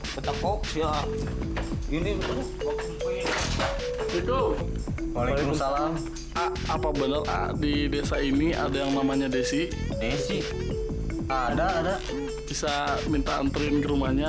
gitu gitu apa bener di desa ini ada yang namanya desi ada bisa minta anterin ke rumahnya